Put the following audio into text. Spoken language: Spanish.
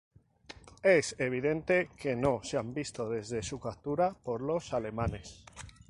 Es evidente que no se han visto desde su captura por los alemanes.